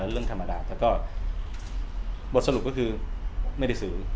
เรื่องธรรมดาแต่ก็บทสรุปก็คือไม่ได้ซื้อ